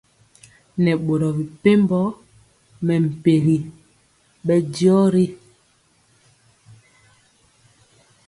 Nɛ boro mepempɔ mɛmpegi bɛndiɔ ri.